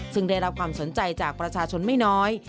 ซึ่งได้รับความสนใจจากประชาชนไม่น้อย